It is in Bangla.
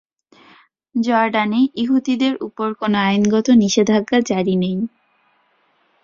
জর্ডানে ইহুদিদের উপর কোনো আইনগত নিষেধাজ্ঞা জারি নেই।